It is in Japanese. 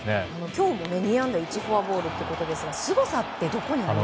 今日も２安打１フォアボールということですがすごさってどこにあります？